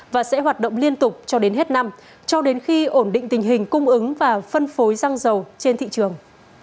và sẽ hoạt động liên tục cho đến hết năm cho đến khi ổn định tình hình cung ứng và phân phối xăng dầu trên thị trường